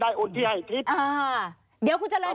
ได้โอนที่ให้คลิป